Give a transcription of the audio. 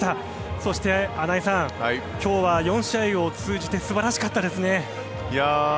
そして穴井さん今日は４試合を通じて素晴らしかったですね。